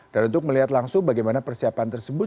dan untuk melihat langsung bagaimana persiapan tersebut